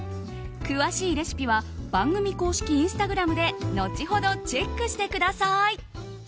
詳しいレシピは番組公式インスタグラムで後ほどチェックしてください。